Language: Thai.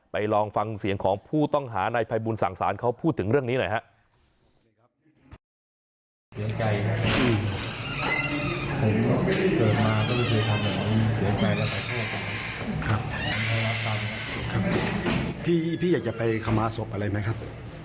ลองฟังเสียงของผู้ต้องหาในภัยบูลสั่งสารเขาพูดถึงเรื่องนี้หน่อยครับ